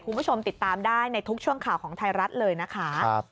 คุณผู้ชมติดตามได้ในทุกช่วงข่าวของไทยรัฐเลยนะคะ